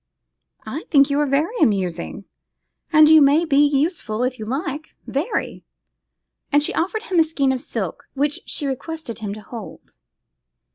'I think you are very amusing, and you may be useful if you like, very;' and she offered him a skein of silk, which she requested him to hold.